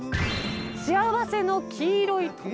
幸せの黄色い扉。